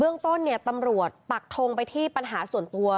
เรื่องต้นเนี่ยตำรวจปักทงไปที่ปัญหาส่วนตัว